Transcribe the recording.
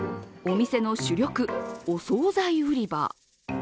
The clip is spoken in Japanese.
お店の主力、お総菜売り場。